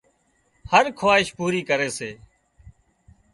هر خواهش پوري ڪري سي